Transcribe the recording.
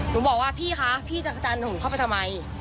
ลูกบอกว่าพี่คะพี่จังจันทร์ลูกเข้าไปทำไม